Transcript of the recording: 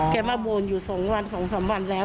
แกมาโบนอยู่๒๓วันแล้ว